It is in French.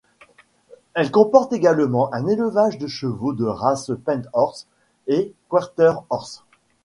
Elle comporte également un élevage de chevaux de race Paint Horse et Quarter Horse.